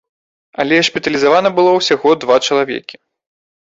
Але шпіталізавана было ўсяго два чалавекі.